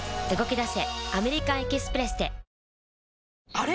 あれ？